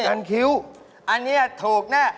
อันนี้ถูกนะ